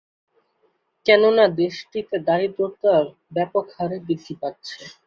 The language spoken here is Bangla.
কেননা দেশটিতে দারিদ্রতা ব্যাপকহারে বৃদ্ধি পাচ্ছে।